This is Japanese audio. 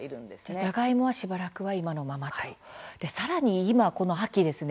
じゃがいもはしばらくは今のままということですね。